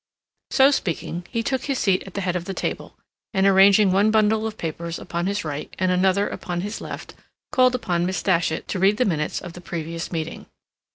So speaking, he took his seat at the head of the table, and arranging one bundle of papers upon his right and another upon his left, called upon Miss Datchet to read the minutes of the previous meeting.